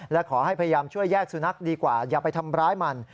และขอให้พยายามช่วยแยกสุนัขดีกว่าอย่าไปทำร้ายมัน